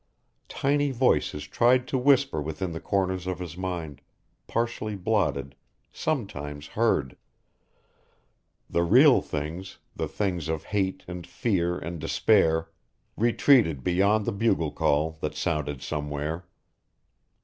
Tiny voices tried to whisper within the corners of his mind, partially blotted, sometimes heard. The real things, the things of hate and fear and despair retreated beyond the bugle call that sounded somewhere.